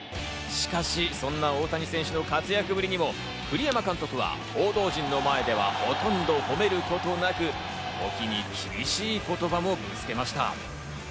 しかしそんな大谷選手の活躍ぶりにも栗山監督は報道陣の前ではほとんど褒めることなく、時に厳しい言葉も見せました。